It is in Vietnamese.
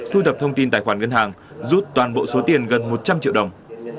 thu thập thông tin tài khoản ngân hàng rút toàn bộ số tiền gần một trăm linh triệu đồng